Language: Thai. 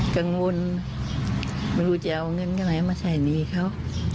กังวลไม่รู้จะเอาเงินกันไหนมาแสนนีเขา